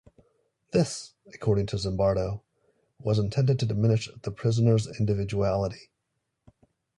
This, according to Zimbardo, was intended to diminish the prisoners' individuality.